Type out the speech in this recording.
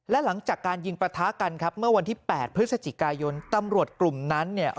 และหลังจากการยิงประทะกันครับเมื่อวันที่๘พฤศจิกายนตำรวจกลุ่มนั้นเนี่ย